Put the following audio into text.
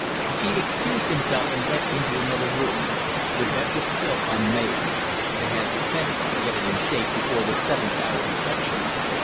He excused himself and went into the other room. The bed was still unmade. They had better get it in shape before the seventh hour inspection.